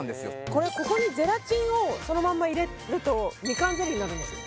これここにゼラチンをそのまんま入れるとみかんゼリーになるんですよ